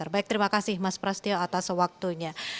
baik terima kasih mas prastyo atas waktunya